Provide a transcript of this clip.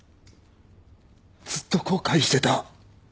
ずっと後悔してた。